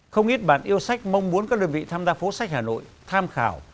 không ít bạn yêu sách mong muốn các đơn vị tham gia phố sách hà nội tham khảo